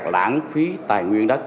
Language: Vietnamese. lãng phí tài nguyên đất